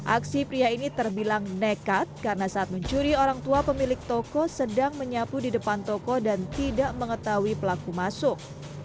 aksi pria ini terbilang nekat karena saat mencuri orang tua pemilik toko sedang menyapu di depan toko dan tidak mengetahui pelaku masuk